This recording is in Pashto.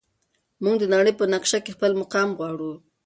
موږ د نړۍ په نقشه کې خپل مقام غواړو.